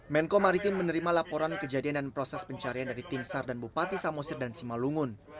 menko maritim menerima laporan kejadian dan proses pencarian dari tim sar dan bupati samosir dan simalungun